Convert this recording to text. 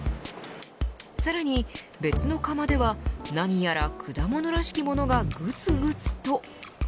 さらに別の釜では何やら果物らしきものがぐつぐつと。